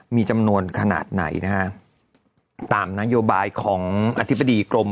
มีจำนวนขนาดไหนนะฮะตามนโยบายของอธิบดีกรม